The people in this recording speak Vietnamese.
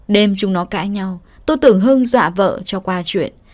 đêm chúng nó cãi nhau tôi tưởng hưng dọa vợ cho qua chuyện